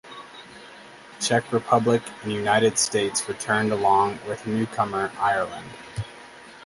Czech Republic and United States returned along with newcomer Ireland.